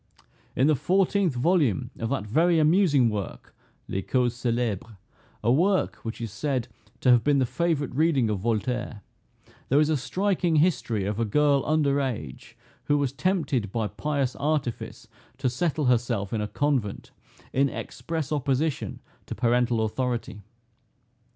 In the fourteenth volume of that very amusing work, Les Causes Celebres, a work which is said to have been the favorite reading of Voltaire, there is a striking history of a girl under age, who was tempted by pious artifice to settle herself in a convent, in express opposition to parental authority.